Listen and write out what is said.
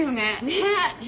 ねっ！